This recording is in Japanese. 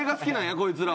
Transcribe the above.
こいつらは。